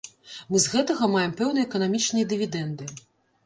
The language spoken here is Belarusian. Мы з гэтага маем пэўныя эканамічныя дывідэнды.